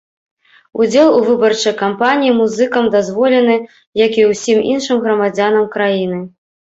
Удзел у выбарчай кампаніі музыкам дазволены як і ўсім іншым грамадзянам краіны.